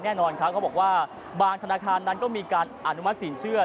แน่นอนครับเขาบอกว่าบางธนาคารนั้นก็มีการอนุมัติสินเชื่อ